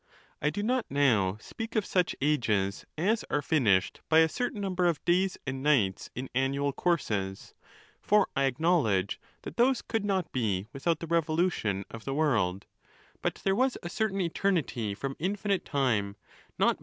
I do not now speak of such ages as are finished by a certain number of days and nights in annual courses ; for I acknowledge that those could not be without the revolution of the world ; but there was a certain eternity from infinite time, not me.